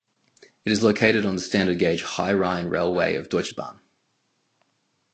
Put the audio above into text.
It is located on the standard gauge High Rhine Railway of Deutsche Bahn.